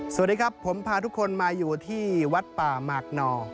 สวัสดีครับผมพาทุกคนมาอยู่ที่วัดป่าหมากนอ